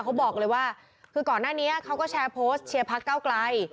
เขาบอกเลยว่าคือก่อนหน้านี้เขาก็แชร์โพสต์เชียร์พักเก้าไกล